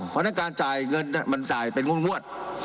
เพราะฉะนั้นการจ่ายเงินมันจ่ายเป็นงวด